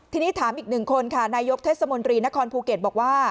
ทีนี้ถามอีกหนึ่งคนค่ะนายกเทศมนตรีนครภูเก็ตบอกว่า